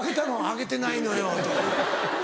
「あげてないのよ」とか。